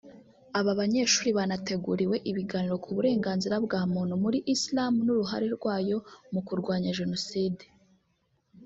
aba banyeshuri banateguriwe ibiganiro ku burenganizra bwa muntu muri Islam n’uruhare rwayo mu kurwanya Jenoside